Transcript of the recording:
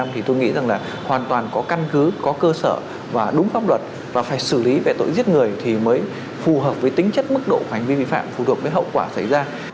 thì tôi nghĩ rằng là hoàn toàn có căn cứ có cơ sở và đúng pháp luật và phải xử lý về tội giết người thì mới phù hợp với tính chất mức độ hành vi vi phạm phù hợp với hậu quả xảy ra